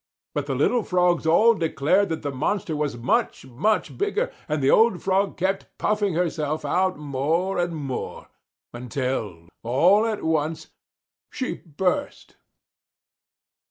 But the little Frogs all declared that the monster was much, much bigger and the old Frog kept puffing herself out more and more until, all at once, she burst.